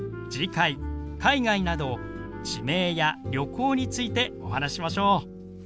次回「海外」など地名や旅行についてお話ししましょう。